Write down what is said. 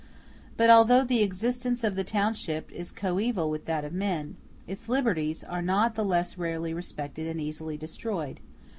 But although the existence of the township is coeval with that of man, its liberties are not the less rarely respected and easily destroyed.